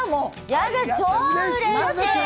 やだ超うれしい！